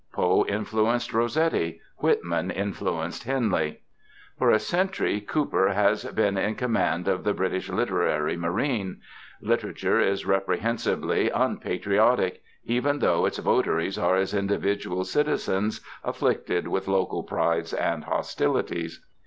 Poe influenced Rossetti; Whitman influenced Henley. For a century Cooper has been in command of the British literary marine. Literature is reprehensibly unpatriotic, even though its votaries are, as individual citizens, afflicted with local prides and hostilities.